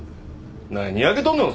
何にやけとんねん？